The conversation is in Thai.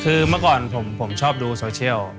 คือเมื่อก่อนผมชอบดูโซเชียล